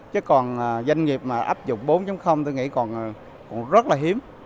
chứ còn doanh nghiệp mà áp dụng bốn tôi nghĩ còn rất là hiếm